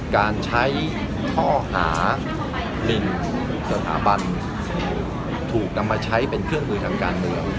การใช้ข้อหามินสถาบันถูกนำมาใช้เป็นเครื่องมือทางการเมือง